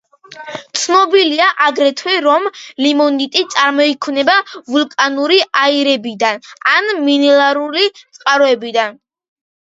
ცნობილია აგრეთვე, რომ ლიმონიტი წარმოიქმნება ვულკანური აირებიდან ან მინერალური წყაროებიდან.